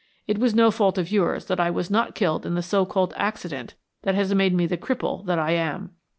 It was no fault of yours that I was not killed in the so called accident that has made me the cripple that I am.